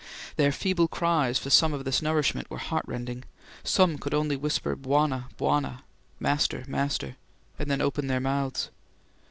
Their feeble cries for some of this nourishment were heartrending; some could only whisper, "Bwana, Bwana" ("Master, Master"), and then open their mouths.